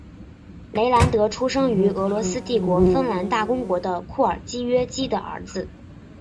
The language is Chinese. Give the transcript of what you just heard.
雷兰德出生于俄罗斯帝国芬兰大公国的库尔基约基的儿子。